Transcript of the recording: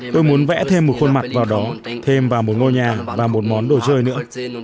tôi muốn vẽ thêm một khuôn mặt vào đó thêm vào một ngôi nhà và một món đồ chơi nữa